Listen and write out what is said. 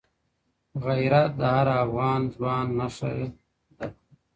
غیرت د هر افغان ځوان نښه ده.